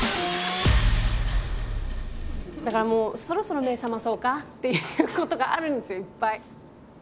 だからもうそろそろ目覚まそうかっていうことがあるんですよいっぱい。